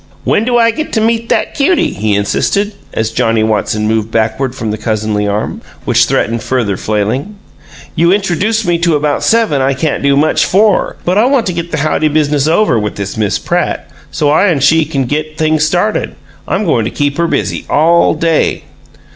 "When do I get to meet that cutie?" he insisted, as Johnnie Watson moved backward from the cousinly arm, which threatened further flailing. "You intradooced me to about seven I can't do much FOR, but I want to get the howdy business over with this Miss Pratt, so I and she can get things started. I'm goin' to keep her busy all day!"